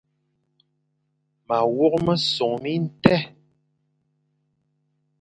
Ma wok mesong bi tèn.